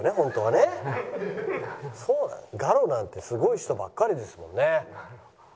『ガロ』なんてすごい人ばっかりですもんね。